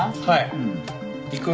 はい。